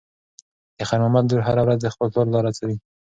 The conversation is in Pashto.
د خیر محمد لور هره ورځ د خپل پلار لاره څاري.